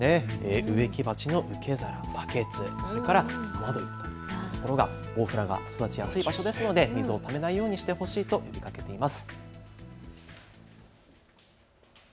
植木鉢の受け皿、バケツ、それから雨どいといったところがボウフラが育ちやすい場所ですので水がたまらないようにしてほしいとしています。